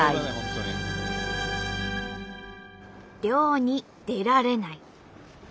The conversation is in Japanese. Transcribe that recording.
漁に出られない。